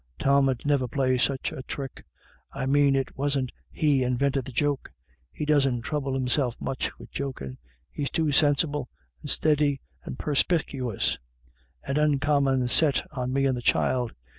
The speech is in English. " Tom 'ud never play such a thrick — I mane it wasn't he invinted the joke ; he doesn't throuble himself much wid jokin'; he's too sinsible, and steady, and perspicuous, and uncommon set on me and the child.